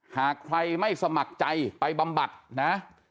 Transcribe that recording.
หากใครไม่สมัครใจไปบำบัดนะ